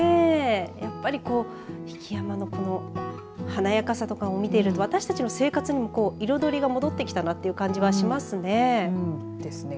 やっぱり曳山の華やかさとかを見ていると私たちの生活にも彩りが戻ってきたなという感じはしますね。ですね。